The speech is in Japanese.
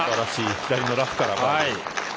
左のラフから。